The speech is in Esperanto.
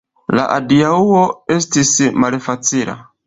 La adiaŭo estis malfacila.